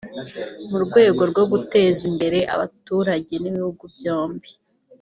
mu rwego rwo guteza imbere abaturage b’ibihugu byombi